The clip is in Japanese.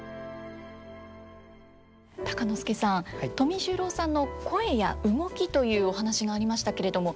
鷹之資さん富十郎さんの声や動きというお話がありましたけれども。